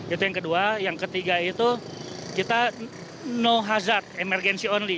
itu yang kedua yang ketiga itu kita no hazard emergency only